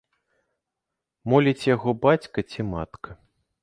Моліць яго бацька ці матка.